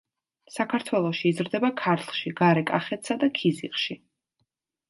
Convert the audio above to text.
საქართველოში იზრდება ქართლში, გარე კახეთსა და ქიზიყში.